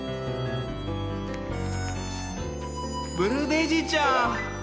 ブルーデージーちゃん！